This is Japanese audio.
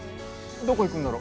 どこ行くんだろ？